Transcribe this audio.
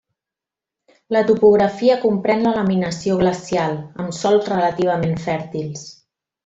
La topografia comprèn la laminació glacial, amb sòls relativament fèrtils.